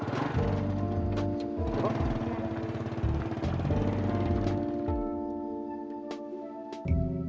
kalo sudah gini eli